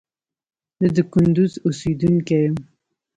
زه د کندوز اوسیدونکي یم